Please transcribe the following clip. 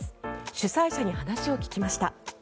主催者に話を聞きました。